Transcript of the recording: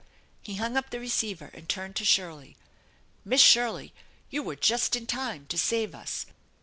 He hung up the receiver and turned to Shirley. " Miss Shirley, you were just in time to save us.